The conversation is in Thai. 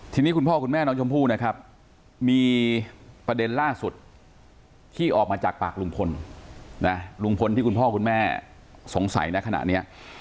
ทีนี้คุณพ่อคุณแม่น้องชมพู่นะครับมีประเด็นล่าสุดที่ออกมาจากปากลุงพลนะลุงพลที่คุณพ่อคุณแม่สงสัยนะขณะนี้